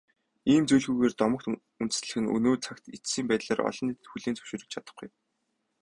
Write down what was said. Ийм зүйлгүйгээр домогт үндэслэх нь өнөө цагт эцсийн байдлаар олон нийтэд хүлээн зөвшөөрөгдөж чадахгүй.